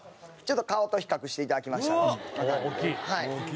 ちょっと顔と比較していただきましたらわかるんで。